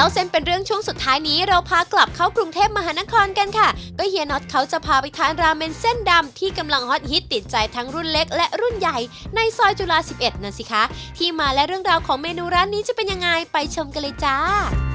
เส้นเป็นเรื่องช่วงสุดท้ายนี้เราพากลับเข้ากรุงเทพมหานครกันค่ะก็เฮียน็อตเขาจะพาไปทานราเมนเส้นดำที่กำลังฮอตฮิตติดใจทั้งรุ่นเล็กและรุ่นใหญ่ในซอยจุฬาสิบเอ็ดนั่นสิคะที่มาและเรื่องราวของเมนูร้านนี้จะเป็นยังไงไปชมกันเลยจ้า